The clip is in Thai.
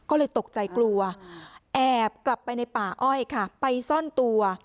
ก็เลยตกใจกลัวแอบกลับไปในป่าอ้อยค่ะไปซ่อนตัว